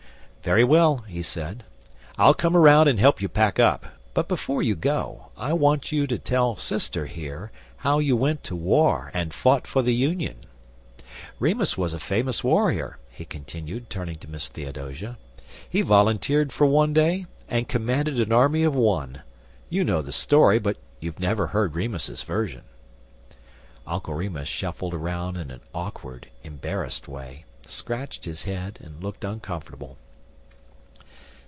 "Very well," he said, "I'll come around and help you pack up, but before you go I want you to tell Sister here how you went to war and fought for the Union. Remus was a famous warrior," he continued, turning to Miss Theodosia; "he volunteered for one day, and commanded an army of one. You know the story, but you have never heard Remus's version." Uncle Remus shuffled around in an awkward, embarrassed way, scratched his head, and looked uncomfortable.